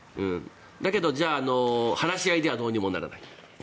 だけど、話し合いではどうにもならない。